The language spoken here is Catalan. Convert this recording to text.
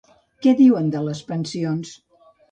Què diuen de les pensions?